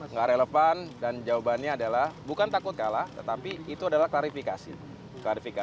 nggak relevan dan jawabannya adalah bukan takut kalah tetapi itu adalah klarifikasi